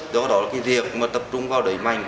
do đó là cái việc mà tập trung vào đẩy mạnh